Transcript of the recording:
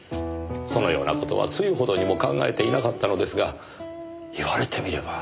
そのような事は露ほどにも考えていなかったのですが言われてみれば